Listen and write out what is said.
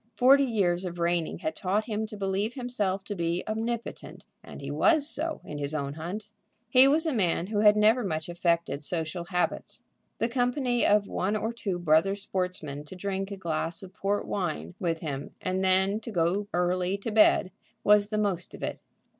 Forty years of reigning had taught him to believe himself to be omnipotent, and he was so in his own hunt. He was a man who had never much affected social habits. The company of one or two brother sportsmen to drink a glass of port wine with him and then to go early to bed, was the most of it.